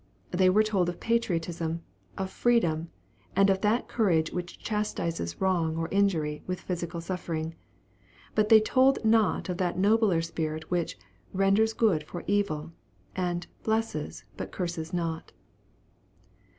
They told of patriotism, of freedom, and of that courage which chastises wrong or injury with physical suffering; but they told not of that nobler spirit which "renders good for evil," and "blesses, but curses not."